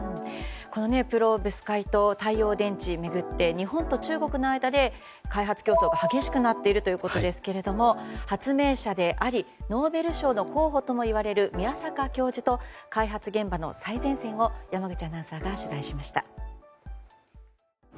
このペロブスカイト太陽電池をめぐって日本と中国で開発競争が激しくなっているということですが発明者でありノーベル賞の候補ともいわれる宮坂教授と開発現場の最前線を山口アナウンサーが取材しました。